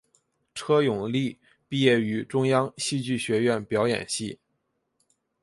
车永莉毕业于中央戏剧学院表演系。